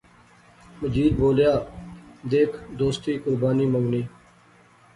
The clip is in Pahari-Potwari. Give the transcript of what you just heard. مجید بولیا، دیکھ دوستی قربانی منگنی